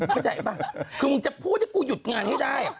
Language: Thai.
เข้าใจป่ะคือมึงจะพูดให้กูหยุดงานให้ได้